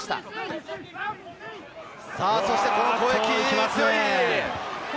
そしてこの攻撃、強い。